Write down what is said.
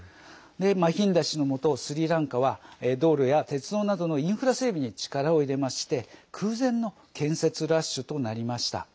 マヒンダ氏の下、スリランカは道路や鉄道などのインフラ整備に力を入れまして空前の建設ラッシュとなりました。